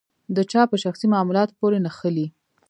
د چا په شخصي معاملاتو پورې نښلي.